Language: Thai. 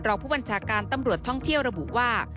รองผู้บัญชาการตำรวจท่องเที่ยวระบุว่า